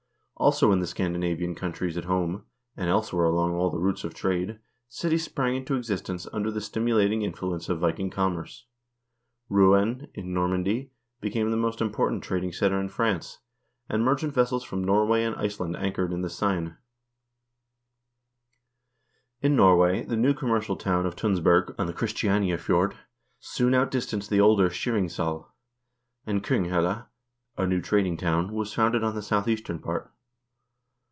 Also in the Scandinavian countries at home, and elsewhere along all the routes of trade, cities sprang into existence under the stimu lating influence of Viking commerce. Rouen, in Normandy, be came the most important trading center in France, and merchant vessels from Norway and Iceland anchored in the Seine. In Norway the new commercial town of Tunsberg, on the Christianiafjord, soon outdistanced the older Skiringssal ; and Konghelle, a new trading town, was founded in the southeastern part.